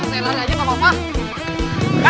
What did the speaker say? nyalah aja gak apa apa